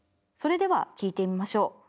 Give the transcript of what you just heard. それでは聴いてみましょう。